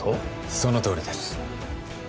そのとおりです